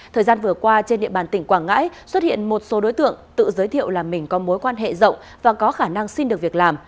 thời gian vừa qua trên địa bàn tỉnh quảng ngãi xuất hiện một số đối tượng tự giới thiệu là mình có mối quan hệ rộng và có khả năng xin được việc làm